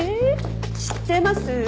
知ってます？